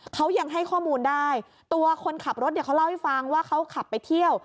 เขายังให้ข้อมูลได้ตัวคนขับรถเนี่ยเขาเล่าให้ฟังว่าเขาขับไปเที่ยว